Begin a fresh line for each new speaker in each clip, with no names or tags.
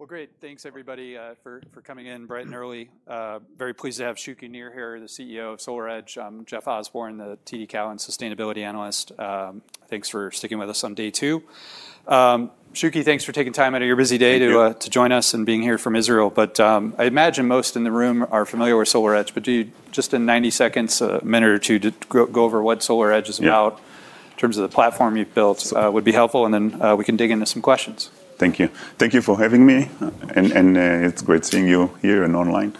Well, great. Thanks everybody for coming in bright and early. Very pleased to have Shuki Nir here, the CEO of SolarEdge. I'm Jeff Osborne, the TD Cowen sustainability analyst. Thanks for sticking with us on day two. Shuki, thanks for taking time out of your busy day-
Thank you.
-to join us and being here from Israel. I imagine most in the room are familiar with SolarEdge, but do you, just in 90 seconds, a minute or two, just go over what SolarEdge is about?
Yeah
In terms of the platform you've built, would be helpful, and then we can dig into some questions.
Thank you. Thank you for having me. It's great seeing you here and online.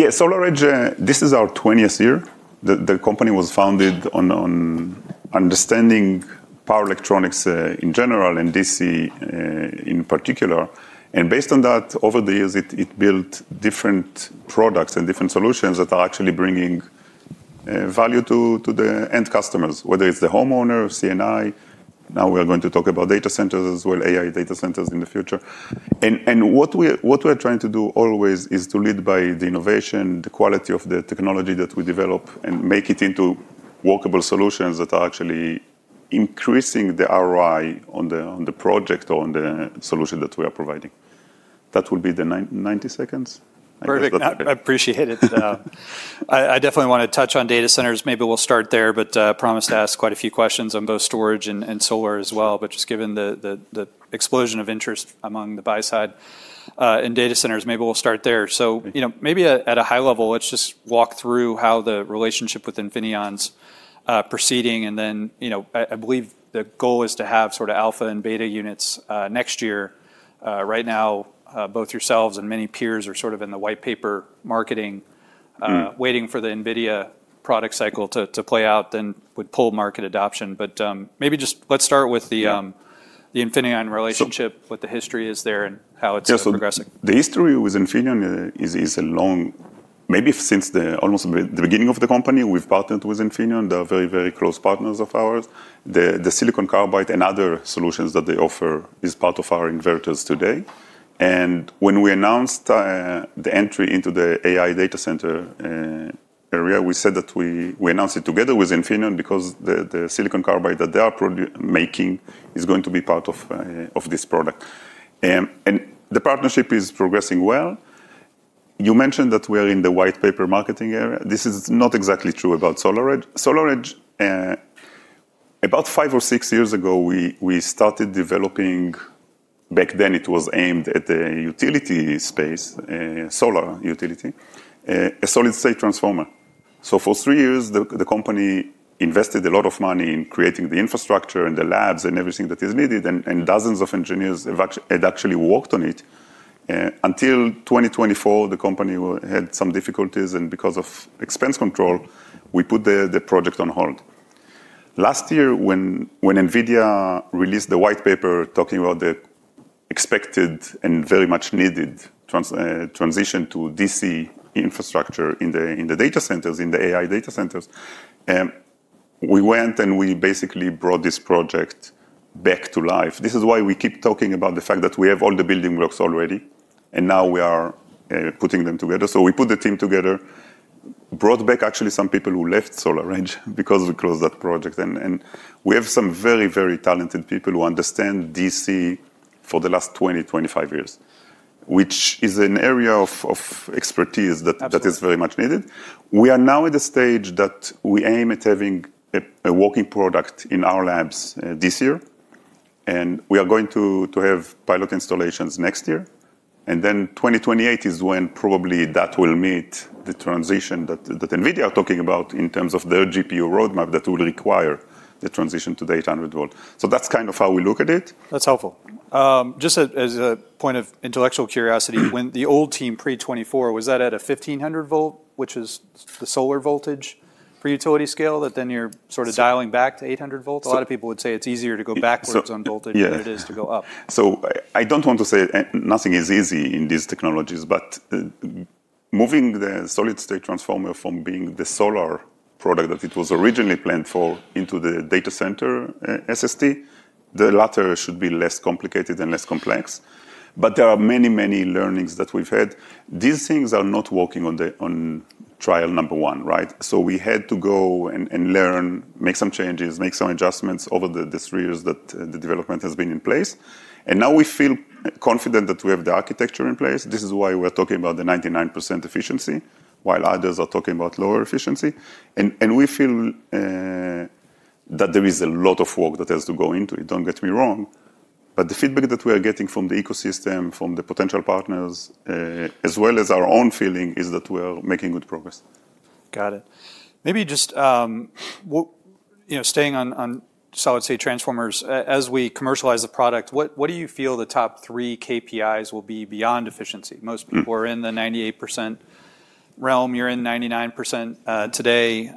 Yeah, SolarEdge, this is our 20th year. The company was founded on understanding power electronics, in general, and DC in particular. Based on that, over the years, it built different products and different solutions that are actually bringing value to the end customers, whether it's the homeowner or C&I. Now we are going to talk about data centers as well, AI data centers in the future. What we're trying to do always is to lead by the innovation, the quality of the technology that we develop, and make it into workable solutions that are actually increasing the ROI on the project or on the solution that we are providing. That would be the 90 seconds.
Perfect. I appreciate it. I definitely want to touch on data centers. Maybe we'll start there, promised to ask quite a few questions on both storage and solar as well, just given the explosion of interest among the buy side in data centers, maybe we'll start there. Maybe at a high level, let's just walk through how the relationship with Infineon's proceeding, and then, I believe the goal is to have alpha and beta units next year. Right now, both yourselves and many peers are sort of in the white paper marketing waiting for the Nvidia product cycle to play out, then would pull market adoption, but let's start with the Infineon relationship, what the history is there, and how it's progressing?
The history with Infineon is long, maybe since almost the beginning of the company, we've partnered with Infineon. They are very close partners of ours. The silicon carbide and other solutions that they offer is part of our inverters today. When we announced the entry into the AI data center area, we said that we announced it together with Infineon because the silicon carbide that they are making is going to be part of this product. The partnership is progressing well. You mentioned that we are in the white paper marketing area. This is not exactly true about SolarEdge. SolarEdge, about five or six years ago, we started developing Back then, it was aimed at the utility space, solar utility, a solid-state transformer. For three years, the company invested a lot of money in creating the infrastructure and the labs and everything that is needed. Dozens of engineers had actually worked on it. Until 2024, the company had some difficulties. Because of expense control, we put the project on hold. Last year, when Nvidia released the white paper talking about the expected and very much needed transition to DC infrastructure in the AI data centers, we went, we basically brought this project back to life. This is why we keep talking about the fact that we have all the building blocks already. Now we are putting them together. We put the team together, brought back actually some people who left SolarEdge because we closed that project, and we have some very talented people who understand DC for the last 20, 25 years, which is an area of expertise that-
Absolutely
-is very much needed. We are now at the stage that we aim at having a working product in our labs this year. We are going to have pilot installations next year. 2028 is when probably that will meet the transition that Nvidia are talking about in terms of their GPU roadmap that will require the transition to the 800 V. That's kind of how we look at it.
That's helpful. Just as a point of intellectual curiosity, when the old team pre 2024, was that at a 1,500 V, which is the solar voltage for utility scale, that then you're sort of dialing back to 800 V? A lot of people would say it's easier to go backwards on voltage-
Yeah
-than it is to go up.
I don't want to say Nothing is easy in these technologies, but moving the solid-state transformer from being the solar product that it was originally planned for into the data center SST, the latter should be less complicated and less complex. There are many learnings that we've had. These things are not working on trial number 1. We had to go and learn, make some changes, make some adjustments over these three years that the development has been in place. Now we feel confident that we have the architecture in place. This is why we're talking about the 99% efficiency while others are talking about lower efficiency. We feel that there is a lot of work that has to go into it, don't get me wrong. The feedback that we are getting from the ecosystem, from the potential partners, as well as our own feeling, is that we are making good progress.
Got it. Maybe just staying on solid-state transformers, as we commercialize the product, what do you feel the top 3 KPIs will be beyond efficiency? Most people are in the 98% realm. You're in 99% today.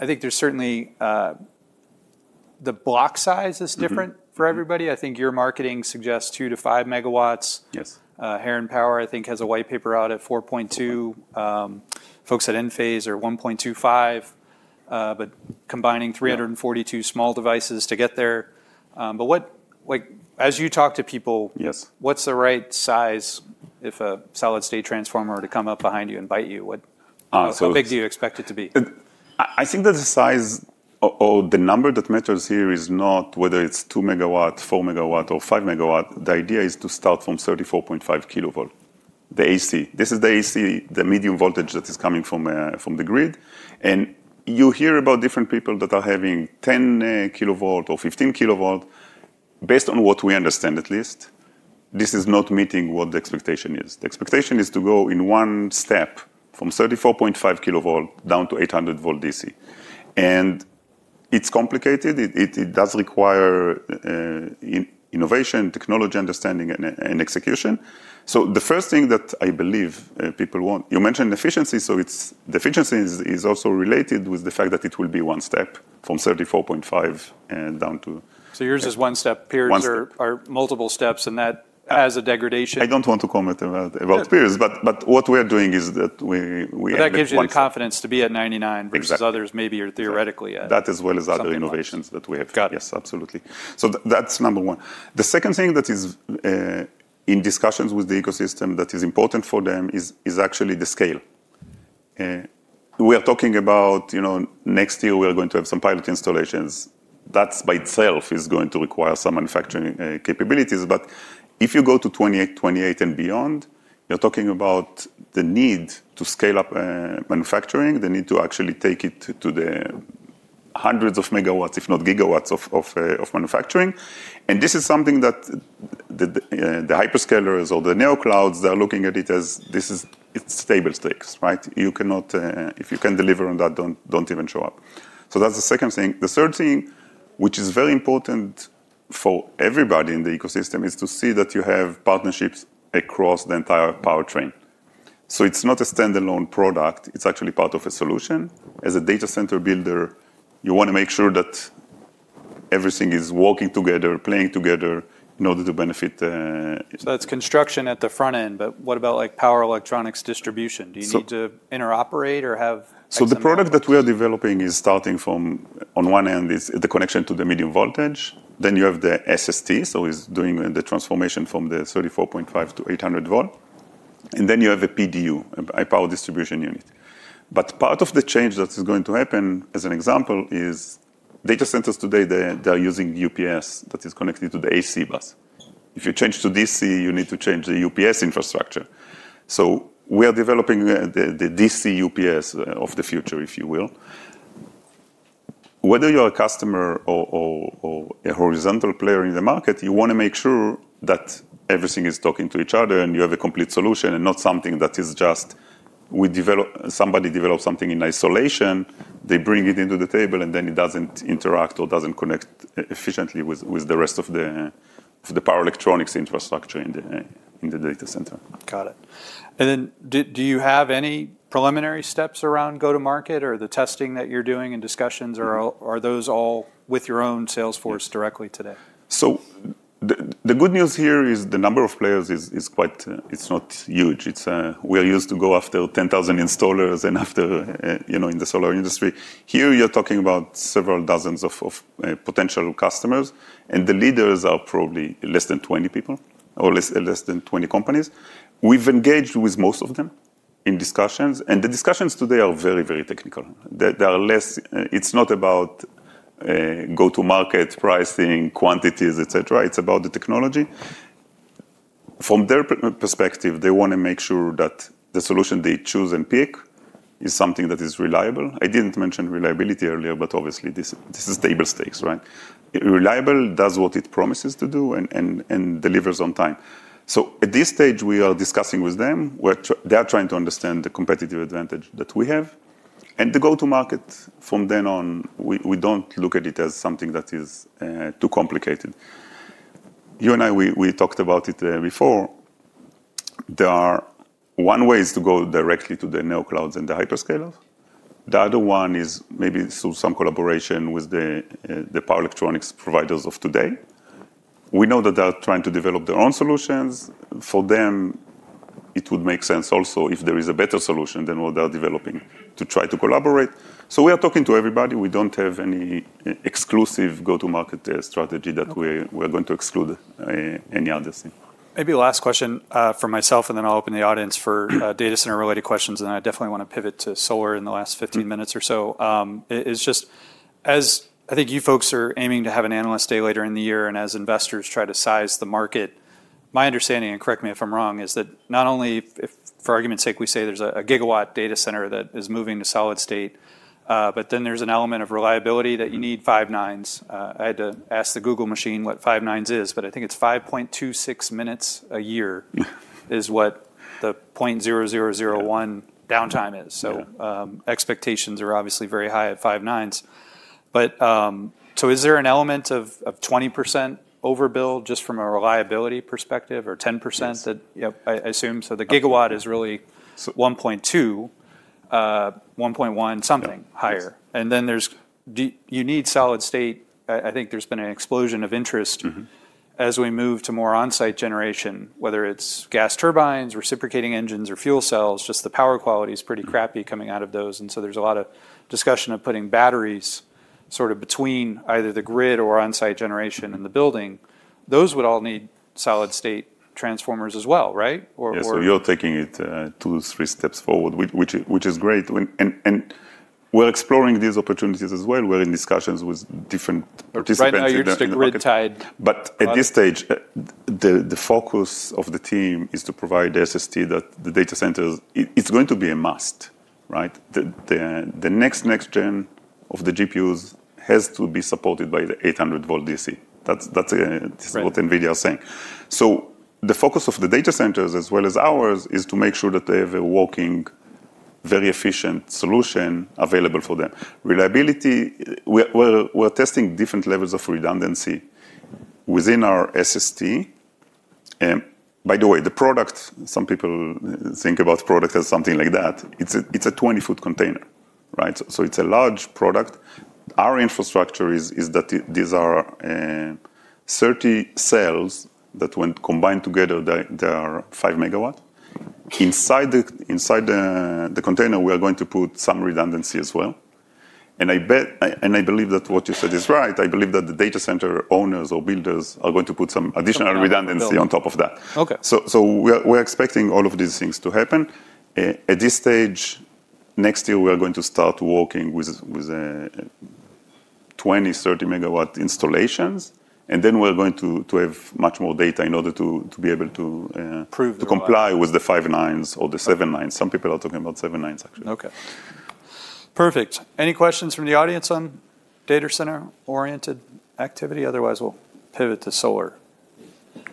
I think there's certainly the block size is different for everybody. I think your marketing suggests 2 MW-5 MW.
Yes.
Here on Power, I think, has a white paper out at 4.2 MW. Folks at Enphase are 1.25 MW, combining 342 small devices to get there. As you talk to people-
Yes
-what's the right size if a solid-state transformer to come up behind you and bite you? How big do you expect it to be?
I think that the size or the number that matters here is not whether it's 2 MW, 4 MW, or 5 MW. The idea is to start from 34.5 kV, the AC. This is the AC, the medium voltage that is coming from the grid. You hear about different people that are having 10 kV or 15 kV. Based on what we understand, at least, this is not meeting what the expectation is. The expectation is to go in one step from 34.5 kV down to 800 V DC, and it's complicated. It does require innovation, technology understanding, and execution. The first thing that I believe people want You mentioned efficiency, so the efficiency is also related with the fact that it will be one step from 34.5 and down to-
Yours is one step.
One step.
Peers are multiple steps, and that adds a degradation.
I don't want to comment about peers, but what we are doing is that we have one step.
That gives you the confidence to be at 99-
Exactly
-versus others maybe are theoretically at something less.
That, as well as other innovations that we have.
Got it.
Yes, absolutely. That's number one. The second thing that is in discussions with the ecosystem that is important for them is actually the scale. We are talking about next year we are going to have some pilot installations. That by itself is going to require some manufacturing capabilities. If you go to 2028 and beyond, you're talking about the need to scale up manufacturing, the need to actually take it to the hundreds of megawatts, if not gigawatts of manufacturing. This is something that the hyperscalers or the neo clouds, they're looking at it as it's table stakes, right? If you can't deliver on that, don't even show up. That's the second thing. The third thing, which is very important for everybody in the ecosystem, is to see that you have partnerships across the entire powertrain. It's not a standalone product, it's actually part of a solution. As a data center builder, you want to make sure that everything is working together, playing together in order to benefit.
That's construction at the front end. What about power electronics distribution? Do you need to interoperate or have some-
The product that we are developing is starting from, on one end is the connection to the medium voltage. You have the SST, so it's doing the transformation from the 34.5 V to 800 V, and then you have a PDU, a power distribution unit. Part of the change that is going to happen, as an example, is data centers today, they are using UPS that is connected to the AC bus. If you change to DC, you need to change the UPS infrastructure. We are developing the DC UPS of the future, if you will. Whether you're a customer or a horizontal player in the market, you want to make sure that everything is talking to each other and you have a complete solution and not something that is just, somebody developed something in isolation, they bring it into the table, and then it doesn't interact or doesn't connect efficiently with the rest of the power electronics infrastructure in the data center.
Got it. Do you have any preliminary steps around go to market, or the testing that you're doing and discussions, or are those all with your own sales force directly today?
The good news here is the number of players, it's not huge. We are used to go after 10,000 installers in the solar industry. Here, you're talking about several dozens of potential customers, and the leaders are probably less than 20 people or less than 20 companies. We've engaged with most of them in discussions, and the discussions today are very technical. It's not about go to market, pricing, quantities, et cetera. It's about the technology. From their perspective, they want to make sure that the solution they choose and pick is something that is reliable. I didn't mention reliability earlier, but obviously this is table stakes, right? Reliable, does what it promises to do, and delivers on time. At this stage, we are discussing with them. They are trying to understand the competitive advantage that we have. The go to market from then on, we don't look at it as something that is too complicated. You and I, we talked about it before. One way is to go directly to the neo clouds and the hyperscalers. The other one is maybe through some collaboration with the power electronics providers of today. We know that they are trying to develop their own solutions. For them, it would make sense also if there is a better solution than what they are developing to try to collaborate. We are talking to everybody. We don't have any exclusive go to market strategy that we're going to exclude any other thing.
Last question from myself. Then I'll open the audience for data center related questions. Then I definitely want to pivot to solar in the last 15 minutes or so. As I think you folks are aiming to have an Analyst Day later in the year, as investors try to size the market, my understanding, and correct me if I'm wrong, is that not only if, for argument's sake, we say there's a gigawatt data center that is moving to solid state, then there's an element of reliability that you need five nines. I had to ask the Google machine what five nines is, I think it's 5.26 minutes a year is what the 0.0001 downtime is.
Yeah.
Expectations are obviously very high at five nines. Is there an element of 20% overbill just from a reliability perspective or 10%?
Yes.
Yep, I assume. The gigawatt is really 1.2, 1.1 something higher.
Yeah.
You need solid state. I think there's been an explosion of interest. as we move to more on-site generation, whether it's gas turbines, reciprocating engines, or fuel cells, just the power quality is pretty crappy coming out of those. There's a lot of discussion of putting batteries sort of between either the grid or on-site generation and the building, those would all need solid-state transformers as well, right?
Yes. You're taking it two, three steps forward, which is great. We're exploring these opportunities as well. We're in discussions with different participants in the market.
Right now you're stick grid-tied.
At this stage, the focus of the team is to provide SST that the data centers, it's going to be a must, right? The next gen of the GPUs has to be supported by the 800 V DC. That's what Nvidia are saying. The focus of the data centers as well as ours, is to make sure that they have a working, very efficient solution available for them. Reliability, we're testing different levels of redundancy within our SST. By the way, the product, some people think about product as something like that. It's a 20 ft container, right? It's a large product. Our infrastructure is that these are 30 cells that when combined together, they are five megawatt. Inside the container, we are going to put some redundancy as well. I believe that what you said is right. I believe that the data center owners or builders are going to put some additional redundancy on top of that.
Okay.
We're expecting all of these things to happen. At this stage, next year we are going to start working with 20, 30 MW installations. We're going to have much more data in order to be able -
Prove
-to comply with the five nines or the seven nines. Some people are talking about seven nines, actually.
Okay. Perfect. Any questions from the audience on data center oriented activity? Otherwise, we'll pivot to solar.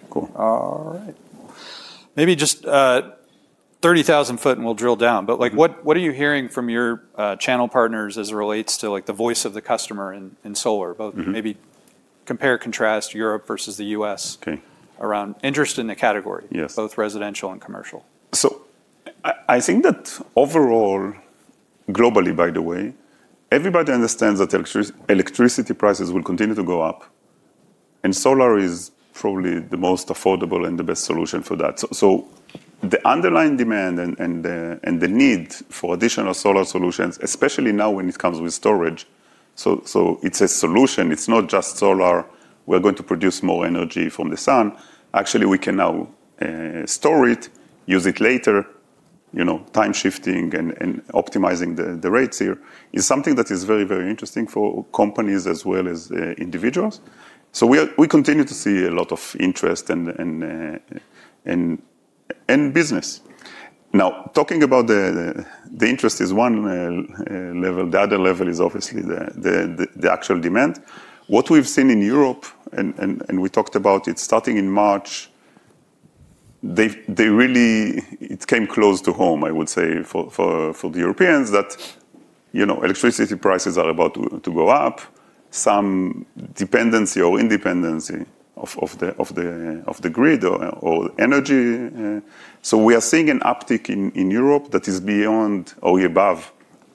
Cool. All right. Maybe just 30,000 ft and we'll drill down. What are you hearing from your channel partners as it relates to the voice of the customer in solar? Both maybe compare and contrast Europe versus the U.S.-
Okay
-around interest in the category-
Yes.
-both residential and commercial.
I think that overall, globally by the way, everybody understands that electricity prices will continue to go up, and solar is probably the most affordable and the best solution for that. The underlying demand and the need for additional solar solutions, especially now when it comes with storage, so it's a solution. It's not just solar. We are going to produce more energy from the sun. Actually, we can now store it, use it later, time shifting and optimizing the rates here is something that is very, very interesting for companies as well as individuals. We continue to see a lot of interest and business. Talking about the interest is one level. The other level is obviously the actual demand. What we've seen in Europe, we talked about it starting in March, it came close to home, I would say for the Europeans, that electricity prices are about to go up. Some dependency or independency of the grid or energy. We are seeing an uptick in Europe that is beyond or above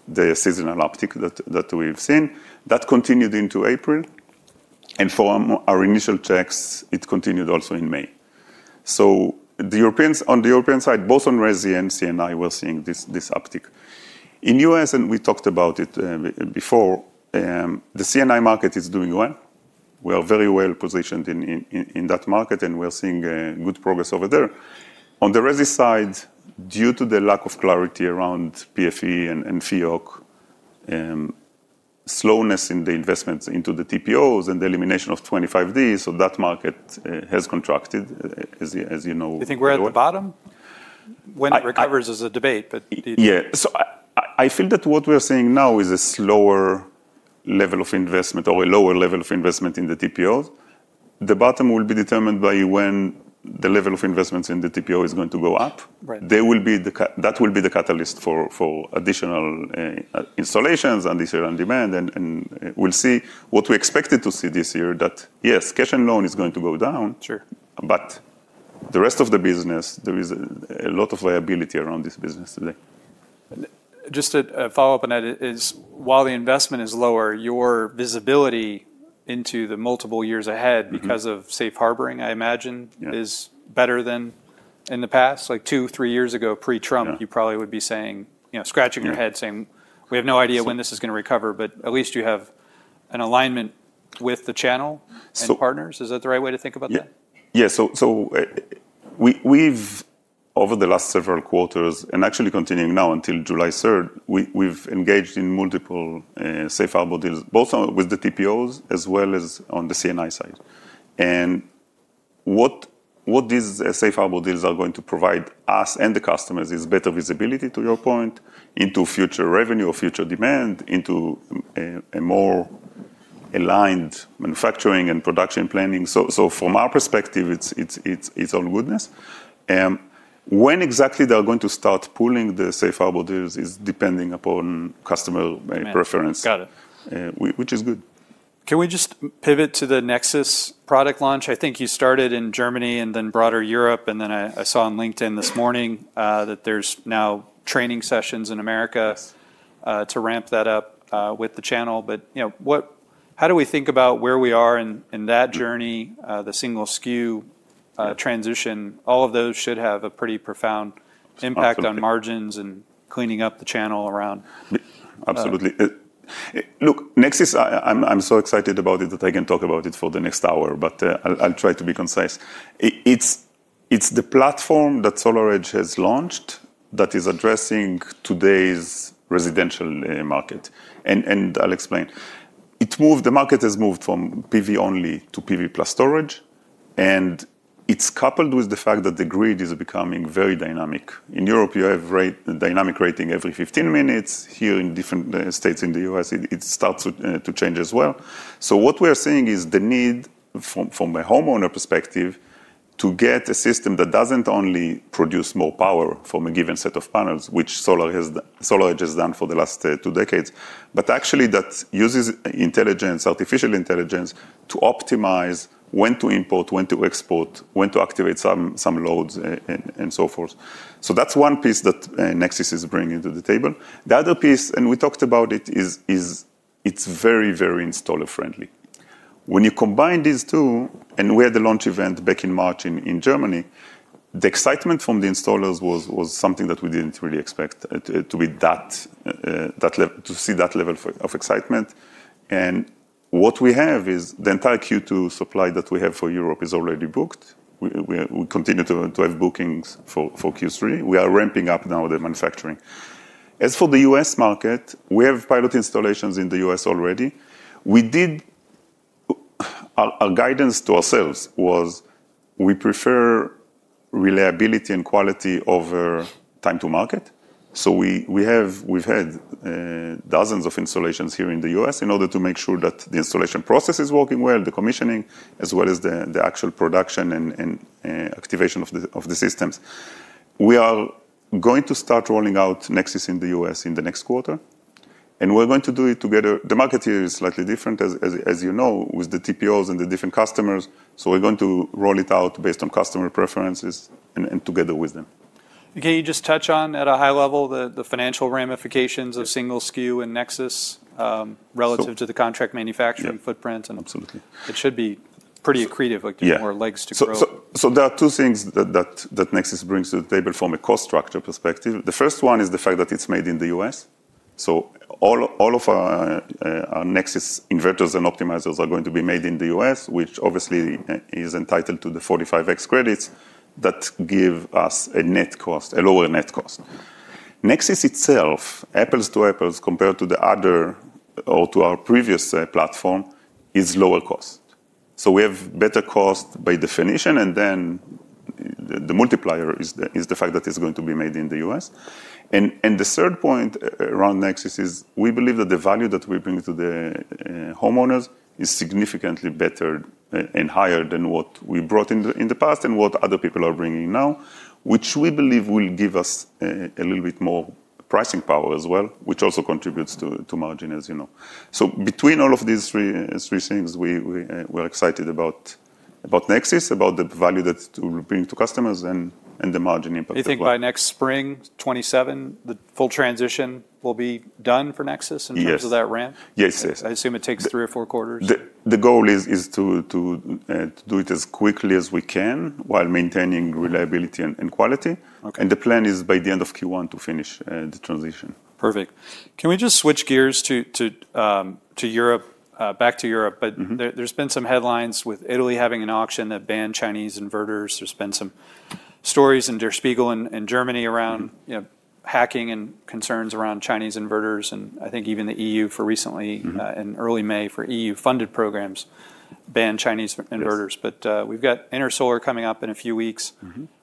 the seasonal uptick that we've seen. That continued into April, and from our initial checks, it continued also in May. On the European side, both on resi and C&I, we're seeing this uptick. In U.S., we talked about it before, the C&I market is doing well. We are very well positioned in that market, and we are seeing good progress over there. On the resi side, due to the lack of clarity around PFE and FEOC, slowness in the investments into the TPOs and the elimination of 25D, so that market has contracted, as you know very well.
Do you think we're at the bottom? When it recovers is a debate.
I feel that what we are seeing now is a slower level of investment or a lower level of investment in the TPOs. The bottom will be determined by when the level of investments in the TPO is going to go up.
Right.
That will be the catalyst for additional installations and this certain demand. We'll see what we expected to see this year, that yes, cash and loan is going to go down.
Sure.
The rest of the business, there is a lot of liability around this business today.
Just a follow-up on that is, while the investment is lower, your visibility into the multiple years ahead because of safe harboring, I imagine-
Yeah
-is better than in the past, like two, three years ago pre-Trump.
Yeah.
You probably would be scratching your head saying, "We have no idea when this is going to recover," but at least you have an alignment with the channel and partners. Is that the right way to think about that?
Yeah. We've over the last several quarters, and actually continuing now until July 3rd, we've engaged in multiple safe harbor deals, both with the TPOs as well as on the C&I side. What these safe harbor deals are going to provide us and the customers is better visibility, to your point, into future revenue or future demand, into a more aligned manufacturing and production planning. From our perspective, it's all goodness. When exactly they are going to start pulling the safe harbor deals is depending upon customer preference.
Got it.
Which is good.
Can we just pivot to the SolarEdge Nexus product launch? I think you started in Germany and then broader Europe, and then I saw on LinkedIn this morning that there's now training sessions in America.
Yes
to ramp that up with the channel. How do we think about where we are in that journey, the single SKU transition, all of those should have a pretty profound impact-
Absolutely
-on margins and cleaning up the channel around.
Absolutely. Look, Nexus, I am so excited about it that I can talk about it for the next hour, but I will try to be concise. It is the platform that SolarEdge has launched that is addressing today's residential market, and I will explain. The market has moved from PV only to PV plus storage, and it is coupled with the fact that the grid is becoming very dynamic. In Europe, you have dynamic rating every 15 minutes. Here in different states in the U.S., it starts to change as well. What we are seeing is the need, from a homeowner perspective, to get a system that does not only produce more power from a given set of panels, which SolarEdge has done for the last two decades, but actually that uses Artificial Intelligence to optimize when to import, when to export, when to activate some loads, and so forth. That's one piece that Nexis is bringing to the table. The other piece, and we talked about it, is it's very installer friendly. When you combine these two, and we had the launch event back in March in Germany, the excitement from the installers was something that we didn't really expect to see that level of excitement. What we have is the entire Q2 supply that we have for Europe is already booked. We continue to have bookings for Q3. We are ramping up now the manufacturing. As for the U.S. market, we have pilot installations in the U.S. already. Our guidance to ourselves was we prefer reliability and quality over time to market. We've had dozens of installations here in the U.S. in order to make sure that the installation process is working well, the commissioning, as well as the actual production and activation of the systems. We are going to start rolling out Nexis in the U.S. in the next quarter, we're going to do it together. The market here is slightly different, as you know, with the TPOs and the different customers, we're going to roll it out based on customer preferences and together with them.
Can you just touch on, at a high level, the financial ramifications of single SKU and Nexis relative to the contract manufacturing footprint?
Yeah, absolutely.
It should be pretty accretive.
Yeah
giving more legs to grow.
There are two things that Nexus brings to the table from a cost structure perspective. The first one is the fact that it's made in the U.S. All of our Nexus inverters and optimizers are going to be made in the U.S., which obviously is entitled to the 45X credits that give us a lower net cost. Nexus itself, apples to apples, compared to our previous platform, is lower cost. We have better cost by definition, and then the multiplier is the fact that it's going to be made in the U.S. The third point around Nexis is we believe that the value that we bring to the homeowners is significantly better and higher than what we brought in the past and what other people are bringing now, which we believe will give us a little bit more pricing power as well, which also contributes to margin, as you know. Between all of these three things, we're excited about Nexis, about the value that we're bringing to customers, and the margin impact as well.
Do you think by next spring, 2027, the full transition will be done for Nexis in-
Yes
-terms of that ramp?
Yes.
I assume it takes three or four quarters.
The goal is to do it as quickly as we can while maintaining reliability and quality.
Okay.
The plan is by the end of Q1 to finish the transition.
Perfect. Can we just switch gears back to Europe? There's been some headlines with Italy having an auction that banned Chinese inverters. There's been some stories in Der Spiegel in Germany around hacking and concerns around Chinese inverters, and I think even the EU for recently in early May, for EU-funded programs, banned Chinese inverters. We've got Intersolar coming up in a few weeks.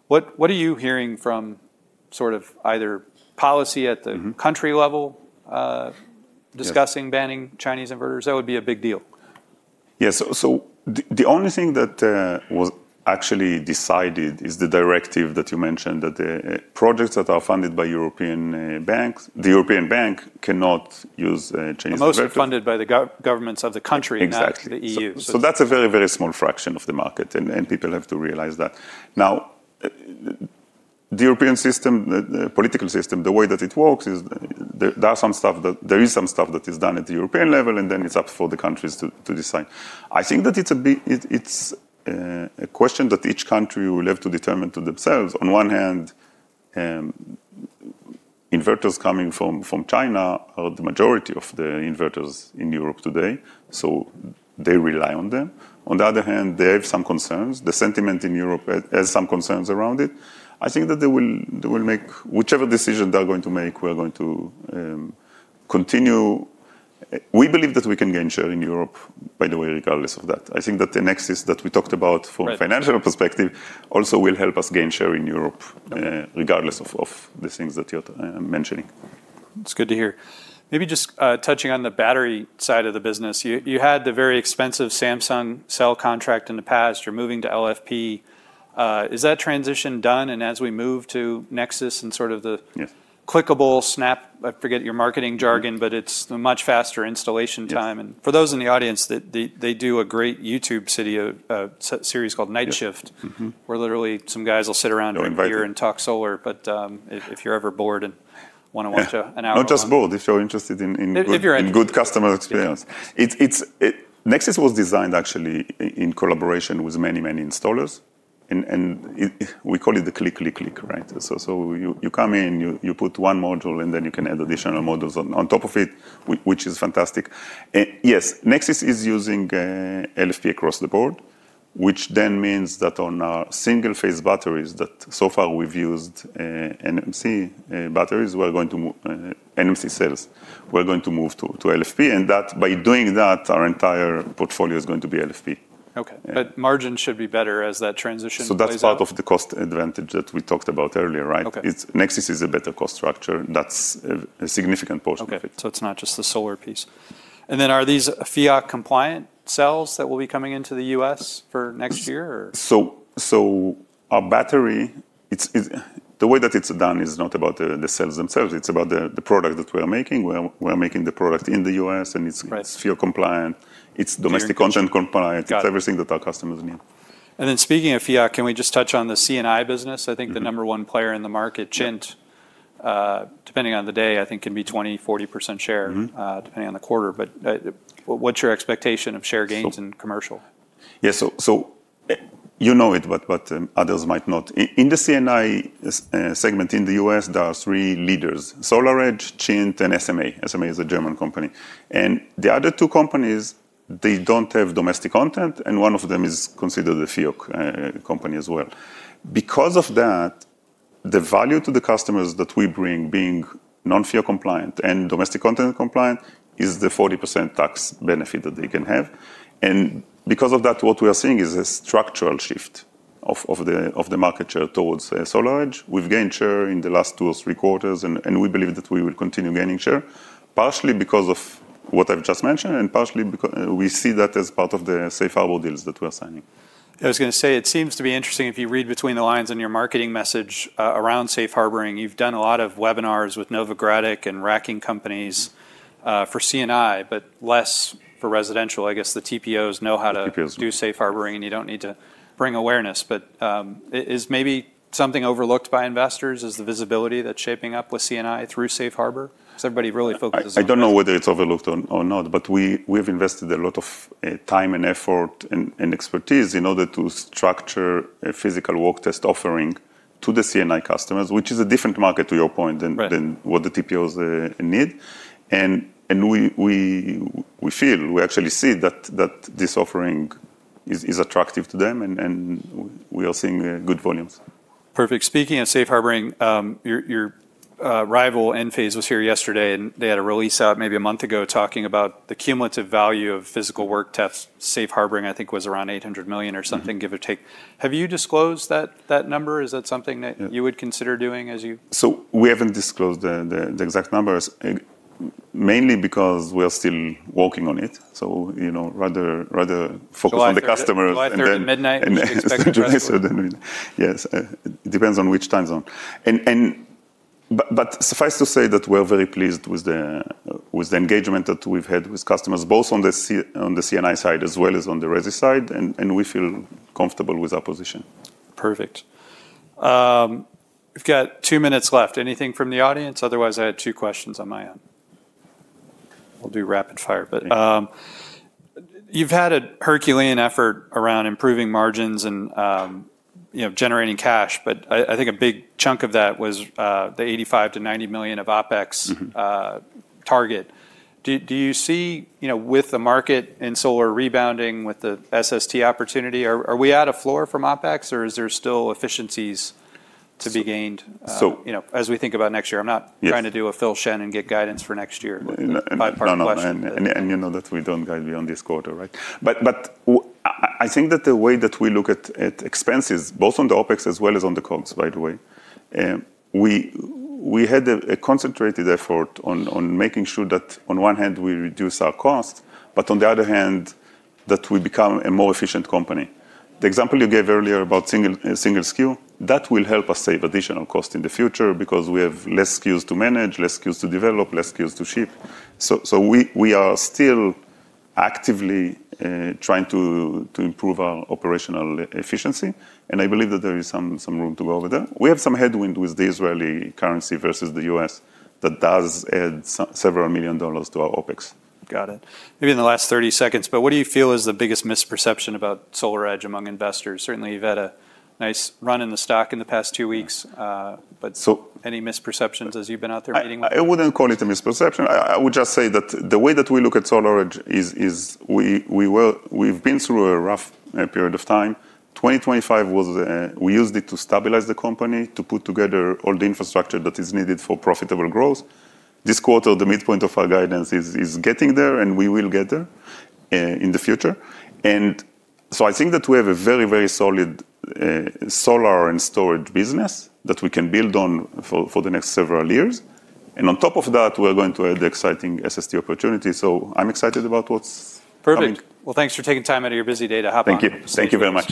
What are you hearing from either policy country level discussing banning Chinese inverters? That would be a big deal.
The only thing that was actually decided is the directive that you mentioned, that the projects that are funded by European banks, the European bank cannot use a Chinese inverter.
Mostly funded by the governments of the country-
Exactly
-not the EU.
That's a very small fraction of the market, and people have to realize that. Now, the European political system, the way that it works is there is some stuff that is done at the European level, and then it's up for the countries to decide. I think that it's a question that each country will have to determine to themselves. On one hand, inverters coming from China are the majority of the inverters in Europe today, so they rely on them. On the other hand, they have some concerns. The sentiment in Europe has some concerns around it. I think that whichever decision they're going to make, we're going to continue. We believe that we can gain share in Europe, by the way, regardless of that. I think that the Nexus that we talked about-
Right
-from a financial perspective also will help us gain share in Europe regardless of the things that you're mentioning.
It's good to hear. Maybe just touching on the battery side of the business, you had the very expensive Samsung cell contract in the past. You're moving to LFP. Is that transition done? As we move to Nexis instead of the clickable snap, I forget your marketing jargon, but it's a much faster installation time.
Yes.
For those in the audience, they do a great YouTube series called "Night Shift where literally some guys will sit around-
invite you
-drink beer, and talk solar.
Not just bored, if you're interested in-
If you're in.
-good customer experience. Nexis was designed actually in collaboration with many installers. We call it the click, click, right? You come in, you put one module, then you can add additional modules on top of it, which is fantastic. Yes, Nexis is using LFP across the board, which means that on our single-phase batteries, that so far we've used NMC cells. We're going to move to LFP, by doing that, our entire portfolio is going to be LFP.
Okay. Margin should be better as that transition plays out.
That's part of the cost advantage that we talked about earlier, right?
Okay.
Nexis is a better cost structure. That's a significant portion of it.
Okay. It's not just the solar piece. Are these FEOC compliant cells that will be coming into the U.S. for next year?
Our battery, the way that it's done is not about the cells themselves, it's about the product that we are making. We are making the product in the U.S.-
Right.
-FEOC compliant. It's domestic content compliant.
Got it.
It's everything that our customers need.
Speaking of FEOC, can we just touch on the C&I business? I think the number one player in the market, Chint, depending on the day, I think can be 20%, 40% depending on the quarter. What's your expectation of share gains in commercial?
You know it, but others might not. In the C&I segment in the U.S., there are three leaders, SolarEdge, Chint, and SMA. SMA is a German company. The other two companies, they don't have domestic content, and one of them is considered a FEOC company as well. The value to the customers that we bring, being non-FEOC compliant and domestic content compliant, is the 40% tax benefit that they can have. What we are seeing is a structural shift of the market share towards SolarEdge. We've gained share in the last two or three quarters, and we believe that we will continue gaining share, partially because of what I've just mentioned, and partially we see that as part of the safe harbor deals that we're signing.
I was going to say, it seems to be interesting, if you read between the lines in your marketing message around safe harboring, you've done a lot of webinars with Novogradac and racking companies for C&I, but less for residential. I guess the TPOs know how to do Safe Harboring, and you don't need to bring awareness. Is maybe something overlooked by investors is the visibility that's shaping up with C&I through Safe Harbor? Has everybody really focused on-
I don't know whether it's overlooked or not, but we've invested a lot of time and effort and expertise in order to structure a physical work test offering to the C&I customers, which is a different market, to your point, than-
Right.
-what the TPOs need. We actually see that this offering is attractive to them, and we are seeing good volumes.
Perfect. Speaking of safe harboring, your rival, Enphase, was here yesterday, and they had a release out maybe a month ago talking about the cumulative value of physical work tests. safe harboring, I think, was around $800 million or something, give or take. Have you disclosed that number? Is that something that you would consider doing as you-
We haven't disclosed the exact numbers, mainly because we are still working on it. Rather focus on the customers.
July 3rd midnight, we should expect a press release.
July 3rd midnight. Yes. Depends on which time zone. Suffice to say that we're very pleased with the engagement that we've had with customers, both on the C&I side as well as on the resi side, and we feel comfortable with our position.
Perfect. We've got two minutes left. Anything from the audience? Otherwise, I had two questions on my end. We'll do rapid fire. You've had a Herculean effort around improving margins and generating cash, but I think a big chunk of that was the $85 million-$90 million of OpEx. Target. Do you see, with the market and solar rebounding with the SST opportunity, are we at a floor from OpEx, or is there still efficiencies to be gained-as we think about next year? I am not trying to do a Philip Shen and get guidance for next year. A bipartisan question.
No, you know that we don't guide beyond this quarter, right? I think that the way that we look at expenses, both on the OpEx as well as on the COGS, by the way, we had a concentrated effort on making sure that on one hand, we reduce our cost, but on the other hand, that we become a more efficient company. The example you gave earlier about SKU, that will help us save additional cost in the future because we have less SKUs to manage, less SKUs to develop, less SKUs to ship. We are still actively trying to improve our operational efficiency, and I believe that there is some room to go with that. We have some headwind with the Israeli currency versus the U.S. that does add several million dollars to our OpEx.
Got it. Maybe in the last 30 seconds, what do you feel is the biggest misperception about SolarEdge among investors? Certainly, you've had a nice run in the stock in the past two weeks. Any misperceptions as you've been out there meeting with.
I wouldn't call it a misperception. I would just say that the way that we look at SolarEdge is we've been through a rough period of time. 2025, we used it to stabilize the company, to put together all the infrastructure that is needed for profitable growth. This quarter, the midpoint of our guidance is getting there, and we will get there in the future. I think that we have a very, very solid solar and storage business that we can build on for the next several years. On top of that, we are going to add the exciting SST opportunity. I'm excited about what's coming.
Perfect. Well, thanks for taking time out of your busy day to hop on.
Thank you. Thank you very much.